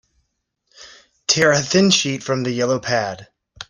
Tear a thin sheet from the yellow pad.